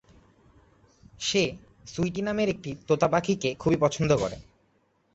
সে Sweetie নামের একটি তোতা পাখিকে খুবই পছন্দ করে।